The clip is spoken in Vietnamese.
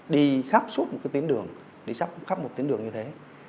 đi khắp suốt một cái tuyến đường đi sắp một tuyến đường như thế